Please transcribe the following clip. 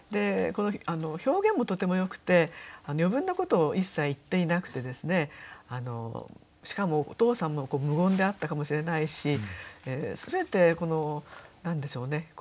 この表現もとてもよくて余分なことを一切言っていなくてしかもお父さんも無言であったかもしれないし全てこの何でしょうね